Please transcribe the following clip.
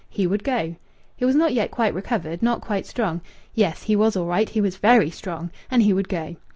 He would go. He was not yet quite recovered, not quite strong.... Yes, he was all right; he was very strong! And he would go.